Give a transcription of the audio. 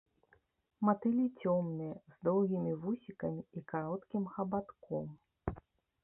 Матылі цёмныя, з доўгімі вусікамі і кароткім хабатком.